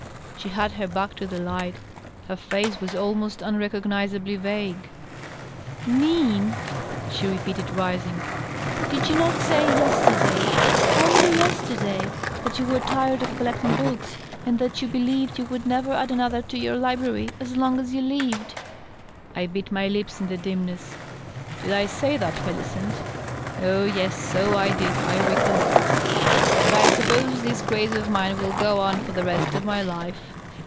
She had her back to the light; her face was almost unrecognizably vague. " Mean ?" she repeated, rising. " Did you not say yesterday — only yesterday — ^that you were tired of collecting books, and that you be lieved you would never add another to your library as long as you Uved?" I bit my lips in the dimness. " Did I say that, Millicent ? Oh, yes ; so I did ; I recollect. But I suppose this craze of mine will go on for the rest of my life.